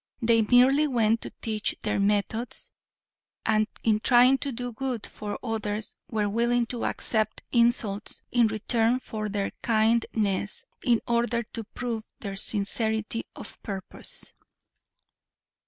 They merely went to teach their methods and in trying to do good for others were willing to accept insults in return for their kindness in order to prove their sincerity of purpose.